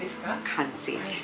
完成です。